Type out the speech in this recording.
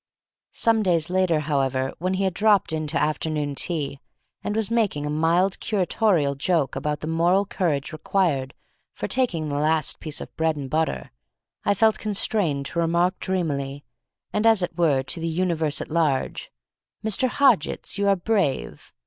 Some days later, however, when he hid dropped in to afternoon tea, and was making a mild curatorial joke about the moral courage required for taking the last piece of bread and butter, I felt constrained to remark dreamily, and as it were to the universe at large, "Mr. Hodgitts! you are brave!